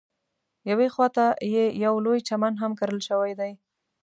یوې خواته یې یو لوی چمن هم کرل شوی دی.